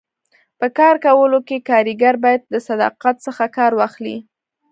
په کار کولو کي کاریګر باید د صداقت څخه کار واخلي.